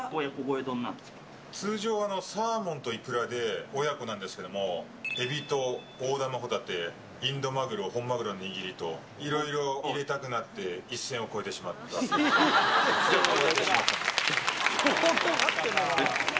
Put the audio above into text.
通常、サーモンとイクラで親子なんですけれども、エビと大玉ホタテ、インドマグロ、本マグロの握りと、いろいろ入れたくなって、一線を越えてしまっじゃあこれ。